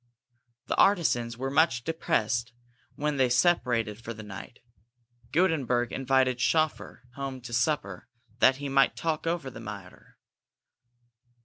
The artisans were much depressed when they separated for the night. Gutenberg invited Schoeffer home to supper, that he might talk over the matter.